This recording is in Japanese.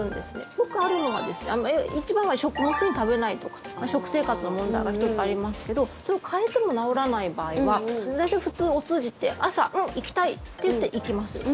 よくあるのは一番は食物繊維、食べないとか食生活の問題が１つありますけどそれを変えても治らない場合は大体、普通、お通じって朝、行きたいっていって行きますよね。